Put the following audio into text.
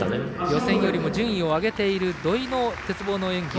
予選よりも順位上げている土井の鉄棒の演技